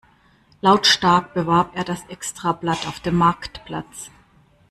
Lautstark bewarb er das Extrablatt auf dem Marktplatz.